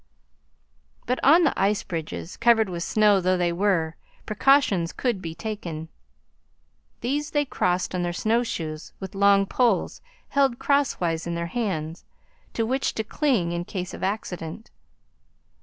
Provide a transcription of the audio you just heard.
But on the ice bridges, covered with snow though they were, precautions could be taken. These they crossed on their snowshoes, with long poles, held crosswise in their hands, to which to cling in case of accident.